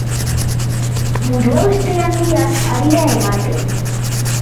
Buruhauste handiak ari da ematen.